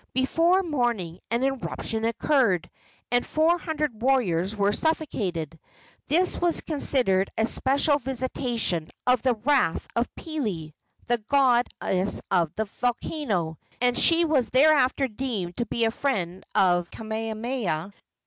Before morning an eruption occurred, and four hundred warriors were suffocated. This was considered a special visitation of the wrath of Pele, the goddess of the volcano, and she was thereafter deemed to be the friend of Kamehameha.